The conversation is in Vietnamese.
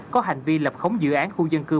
có hành vi lập khống dự án khu dân cư